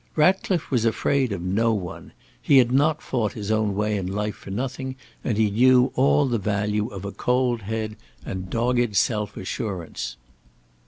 Ratcliffe was afraid of no one. He had not fought his own way in life for nothing, and he knew all the value of a cold head and dogged self assurance.